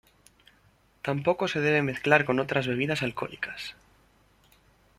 Tampoco se debe mezclar con otras bebidas alcohólicas.